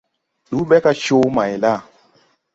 Ndu ɓɛ gá Comayla.